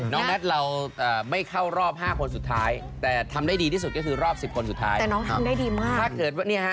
น้องนัทเราไม่เข้ารอบห้าคนสุดท้าย